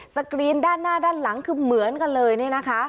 กรีนด้านหน้าด้านหลังคือเหมือนกันเลยเนี่ยนะคะ